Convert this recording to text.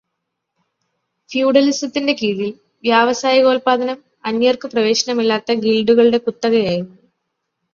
ഫ്യൂഡലിസത്തിൻകീഴിൽ വ്യാവസായികോല്പാദനം, അന്യർക്കു പ്രവേശനമില്ലാത്ത ഗിൽഡുകളുടെ കുത്തകയായിരുന്നു.